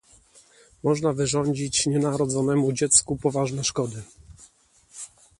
Można wyrządzić nienarodzonemu dziecku poważne szkody